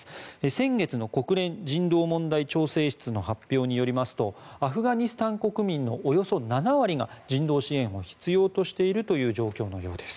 先月の国連人道問題調整室の発表によりますとアフガニスタン国民のおよそ７割が人道支援を必要としているという状況のようです。